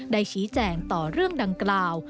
ได้ชี้แจงต่อเรื่องดังกล่าว